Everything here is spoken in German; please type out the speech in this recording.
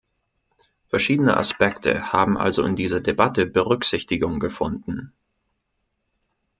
Verschiedene Aspekte haben also in dieser Debatte Berücksichtigung gefunden.